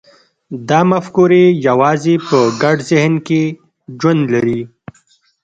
دا مفکورې یوازې په ګډ ذهن کې ژوند لري.